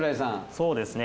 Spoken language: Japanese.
そうですね